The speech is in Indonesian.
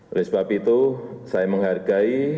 oleh sebab itu saya menghargai